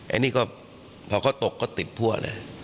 อันนี้ก็พอเขาตกก็ติดพั่วเลย